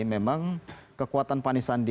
memang kekuatan pak anisandi